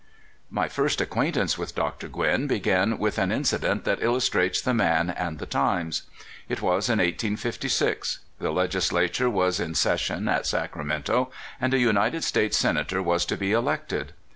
My first acquaintance with Dr. Gwin began with an incident that illustrates the man and the times. It was in 1856. The Legislature was in session at Sacramento, and a United States Sena tor was to be elected.